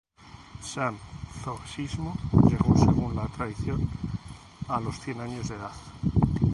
San Zósimo llegó, según la tradición, a los cien años de edad.